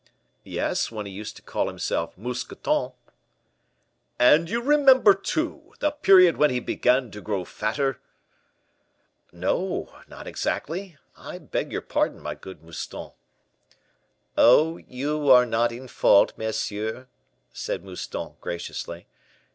"Yes; when he used to call himself Mousqueton." "And you remember, too, the period when he began to grow fatter?" "No, not exactly. I beg your pardon, my good Mouston." "Oh! you are not in fault, monsieur," said Mouston, graciously.